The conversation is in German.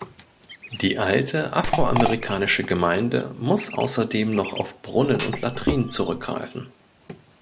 Die alte afroamerikanische Gemeinde muss außerdem noch auf Brunnen und Latrinen zurückgreifen.